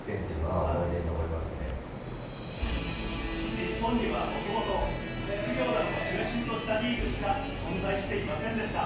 日本には元々実業団を中心としたリーグしか存在していませんでした